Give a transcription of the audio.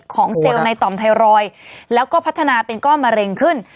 เซลล์ในต่อมไทรอยด์แล้วก็พัฒนาเป็นก้อนมะเร็งขึ้น